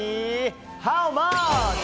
ハウマッチ。